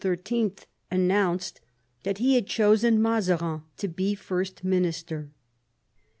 announced that he had chosen Mazarin to be First Minister.